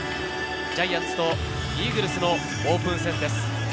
ジャイアンツとイーグルスのオープン戦です。